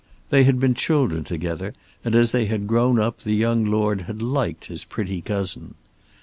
They had been children together, and as they had grown up the young Lord had liked his pretty cousin.